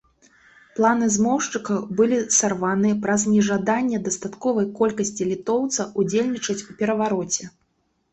Планы змоўшчыкаў былі сарваныя праз нежаданне дастатковай колькасці літоўцаў удзельнічаць у перавароце.